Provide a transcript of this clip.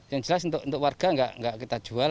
yang jelas untuk warga nggak kita jual